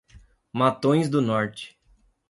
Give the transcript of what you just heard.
Matões do Norte